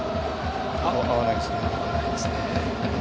合わないですね。